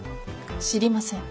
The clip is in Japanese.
知りません。